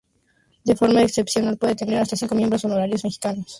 De forma excepcional puede tener hasta cinco miembros honorarios, mexicanos o extranjeros.